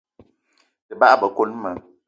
Te bagbe koni ma.